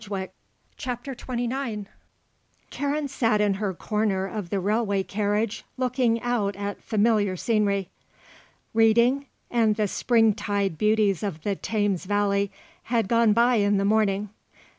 PART II CHAPTER XXIX Karen sat in her corner of the railway carriage looking out at familiar scenery. Reading and the spring tide beauties of the Thames valley had gone by in the morning.